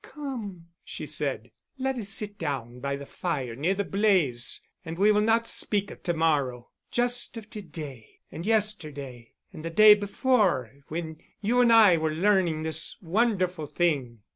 "Come," she said, "let us sit down by the fire near the blaze, and we will not speak of to morrow—just of to day and yesterday and the day before, when you and I were learning this wonderful thing."